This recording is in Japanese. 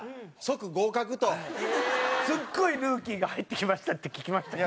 すっごいルーキーが入ってきましたって聞きましたよ。